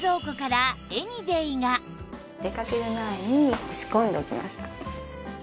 出かける前に仕込んでおきました。